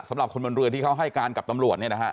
สำหรับคนบนเรือที่เขาให้การกับตำรวจ